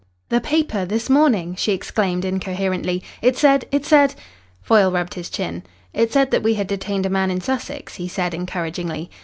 "The paper this morning!" she exclaimed incoherently. "It said it said " Foyle rubbed his chin. "It said that we had detained a man in Sussex," he said encouragingly.